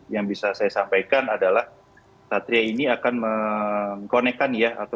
yang bisa saya sampaikan adalah satria ini akan mengkonekkan ya